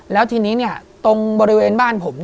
แล้วทีนี้ตรงบริเวณบ้านผม